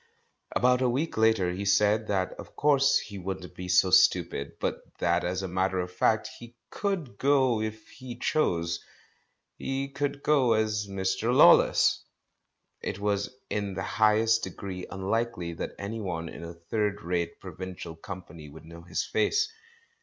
About a week later he said that of course he wouldn't be so stupid, but that as a matter of fact he could go if he chose; he could go as "Mr. Law less" ! It was in the highest degree unlikely that anyone in a third rate provincial company would know his face.